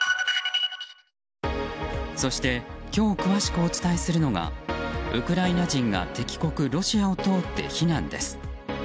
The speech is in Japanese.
そして今日詳しくお伝えするのがウクライナ人が敵国ロシアを通って避難です。